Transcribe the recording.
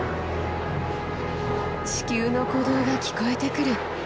地球の鼓動が聞こえてくる。